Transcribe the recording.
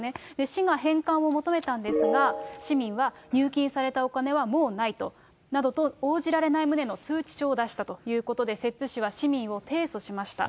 市が返還を求めたんですが、市民は、入金されたお金はもうないなどと応じられない旨の通知書を出したということで、摂津市は市民を提訴しました。